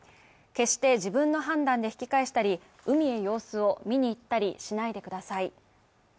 決して自分の判断で引き返したり、海へ様子を見に行ったりしないでください。